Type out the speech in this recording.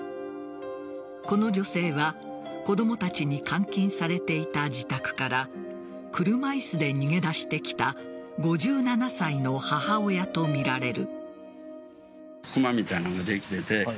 この女性は子供たちに監禁されていた自宅から車椅子で逃げ出してきた５７歳の母親とみられる。